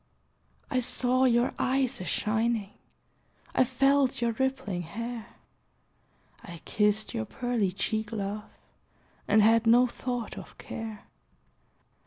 I saw your eyes a shining, I felt your rippling hair, I kissed your pearly cheek, love, And had no thought of care.